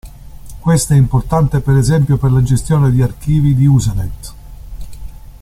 Questo è importante, per esempio, per la gestione di archivi di Usenet.